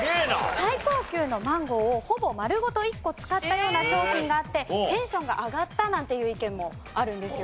最高級のマンゴーをほぼ丸ごと一個使ったような商品があってテンションが上がったなんていう意見もあるんですよ。